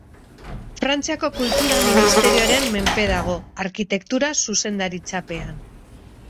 Frantziako Kultura Ministerioaren menpe dago, Arkitektura zuzendaritzapean.